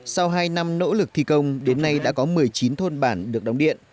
sau hai năm nỗ lực thi công đến nay đã có một mươi chín thôn bản được đóng điện